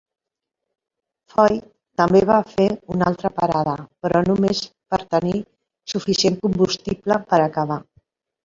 Foyt també va fer una altra parada, però només per tenir suficient combustible per acabar.